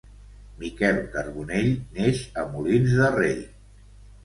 Miquel Carbonell neix a Molins de Rei.